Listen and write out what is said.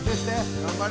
頑張れ。